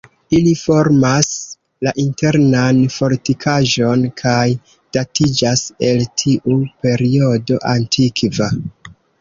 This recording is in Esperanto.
Ili formas la internan fortikaĵon, kaj datiĝas el tiu periodo antikva.